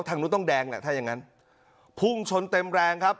ทางนู้นต้องแดงแหละถ้าอย่างงั้นพุ่งชนเต็มแรงครับ